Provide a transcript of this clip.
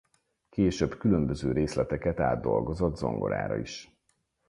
Később különböző részleteket átdolgozott zongorára is.